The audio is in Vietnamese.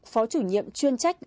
phó chủ nhiệm chuyên trách